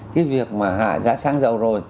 cái việc mà hạ giá xăng dầu